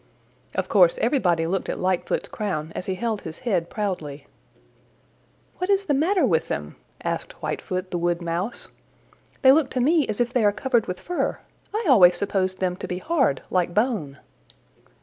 Of course everybody looked at Lightfoot's crown as he held his head proudly. "What is the matter with them?" asked Whitefoot the Wood Mouse. "They look to me as if they are covered with fur. I always supposed them to be hard like bone."